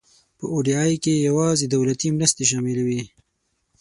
په او ډي آی کې یوازې دولتي مرستې شاملې وي.